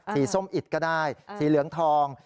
ส้มอิดก็ได้สีเหลืองทอง